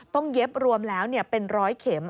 เย็บรวมแล้วเป็นร้อยเข็ม